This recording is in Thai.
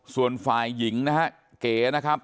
ส่วนฝ่ายหญิงนะฮะเก๋นะครับ